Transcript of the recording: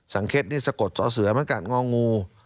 สังเคร็จนี่สะกดเสาะเสือมันกลางงองู